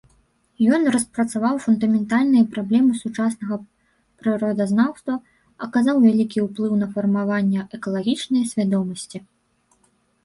Ён распрацаваў фундаментальныя праблемы сучаснага прыродазнаўства, аказаў вялікі ўплыў на фармаванне экалагічнай свядомасці.